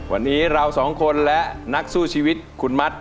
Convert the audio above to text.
วันนี้เราสองคนและนักสู้ชีวิตคุณมัด